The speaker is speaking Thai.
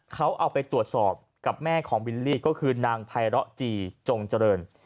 เขาเอาไปตรวจสอบกับแม่ของบิลลี่ก็คือนางไพร้อจีจงเจริญ